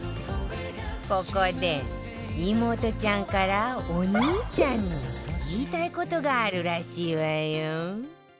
ここで妹ちゃんからお兄ちゃんに言いたい事があるらしいわよ